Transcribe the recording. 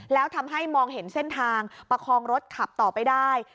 แล้วทำให้มองเห็นเส้นทางประคองรถขับต่อไปได้